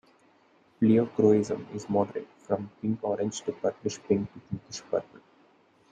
Pleochroism is moderate, from pink-orange or purplish pink to pinkish purple.